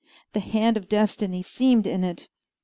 The hand of destiny seemed in it.